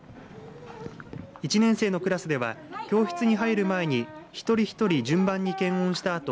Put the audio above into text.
１年生のクラスでは教室に入る前に一人ひとり順番に検温した